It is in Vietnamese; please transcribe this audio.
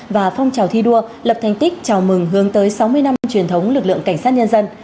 và phong trào thi đua lập thành tích chào mừng hướng tới sáu mươi năm truyền thống lực lượng cảnh sát nhân dân